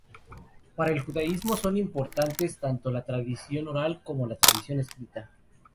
Para el judaísmo son importantes tanto la tradición oral como la tradición escrita.